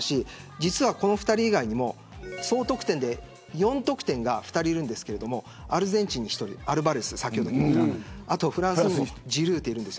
実は、この２人以外にも総得点で４得点が２人いるんですがアルゼンチンのアルバレスとフランスのジルーっているんです。